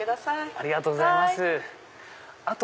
ありがとうございます。